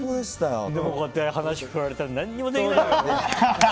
でもこうやって話を振られたら何もできないんだよね。